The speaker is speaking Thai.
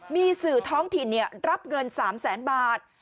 มีสื่อท้องถิ่นรับเงิน๓แสนบาท